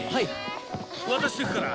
渡してくから。